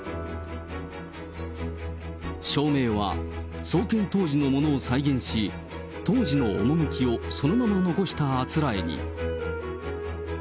照明は創建当時のものを再現し、当時の趣をそのまま残したあつらえに。